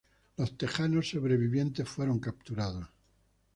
Los texanos sobrevivientes fueron capturados.